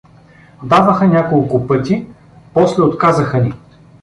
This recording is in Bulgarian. — Даваха няколко пъти, после отказаха ни.